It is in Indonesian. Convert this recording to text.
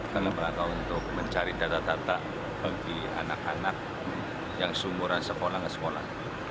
dalam rangka untuk mencari data data bagi anak anak yang seumuran sekolah ke sekolah